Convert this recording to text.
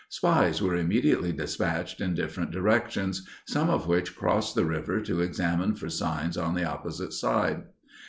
Spies were immediately despatched in different directions, some of which crossed the river to examine for signs on the opposite side.